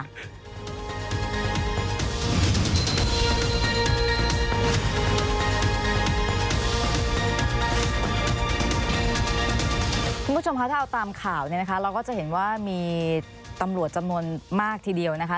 คุณผู้ชมคะถ้าเอาตามข่าวเนี่ยนะคะเราก็จะเห็นว่ามีตำรวจจำนวนมากทีเดียวนะคะ